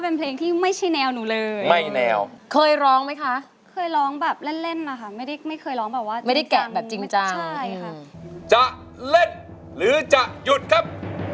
โปรดติดตามันทุกวันทุกวันทุกวันทุกวันทุกวัน